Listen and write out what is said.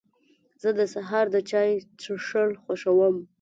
زه د سهار د چای څښل خوښوم.